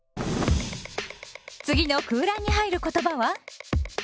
次の空欄に入る言葉は？